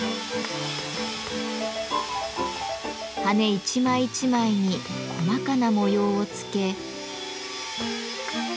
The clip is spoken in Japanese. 羽一枚一枚に細かな模様をつけ。